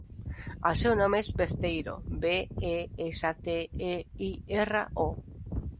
El seu cognom és Besteiro: be, e, essa, te, e, i, erra, o.